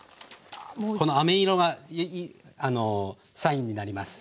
このあめ色がサインになります。